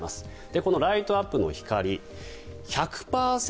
このライトアップの光１００％